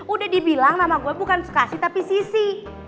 udah dibilang nama gue bukan sukasih tapi sisi